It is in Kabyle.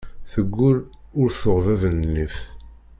Teggul ur tuɣ bab n nnif.